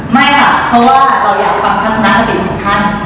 ไม่ค่ะเพราะว่าเราอยากฟังภาพทัศนาคติดของท่าน